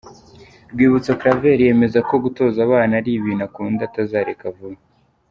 Rwibutso Claver yemeza ko gutoza abana ari ibintu akunda atazareka vuba.